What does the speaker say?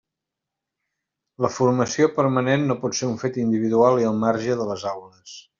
La formació permanent no pot ser un fet individual i al marge de les aules.